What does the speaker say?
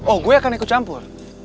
oh gue nanya karna ikut campur